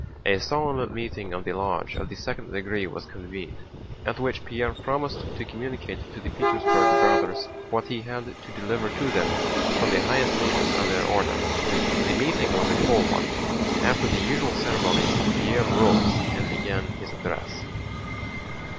A solemn meeting of the lodge of the second degree was convened, at which Pierre promised to communicate to the Petersburg Brothers what he had to deliver to them from the highest leaders of their order. The meeting was a full one. After the usual ceremonies Pierre rose and began his address.